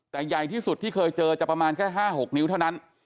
แต่ใหญ่ที่สุดที่เคยเจอจะประมาณแค่๕๖นิ้วเท่านั้น